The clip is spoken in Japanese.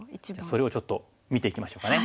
それをちょっと見ていきましょうかね。